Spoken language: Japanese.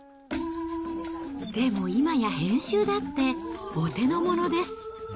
でも今や編集だってお手のものです。